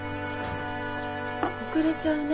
遅れちゃうね。